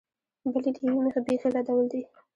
بل یې له یوې مخې بېخي ردول دي.